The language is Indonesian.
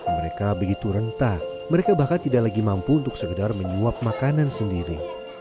mereka begitu rentah mereka bahkan tidak lagi mampu untuk sekedar menyuap makanan sendiri